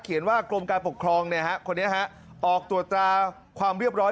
เขียนว่ากลมการปกครองเนี่ยฮะคนนี้ฮะออกตรวจตาความเรียบร้อย